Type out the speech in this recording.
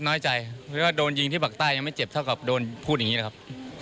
น้อยใจหรือว่าโดนยิงที่ปากใต้ยังไม่เจ็บเท่ากับโดนพูดอย่างนี้นะครับ